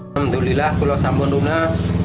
alhamdulillah kulau sambon dunas